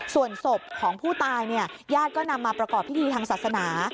ส่วนศพของผู้ตายเนี่ยญาติก็นำมาประกอบพิธีทางศาสนา